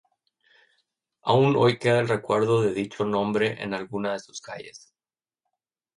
Aún hoy queda el recuerdo de dicho nombre en alguna de sus calles.